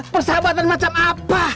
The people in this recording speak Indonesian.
persahabatan macam apa